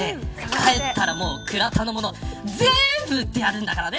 帰ったら倉田のもの、全部売ってやるんだからね。